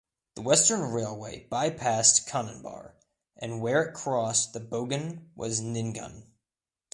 The Western Railway by-passed Canonbar, and where it crossed the Bogan was Nyngan.